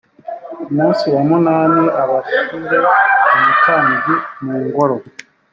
ku munsi wa munani abishyi re umutambyi mu ngoro